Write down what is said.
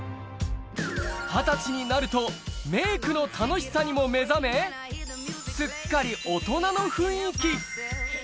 ２０歳になると、メークの楽しさにも目覚め、すっかり大人の雰囲気。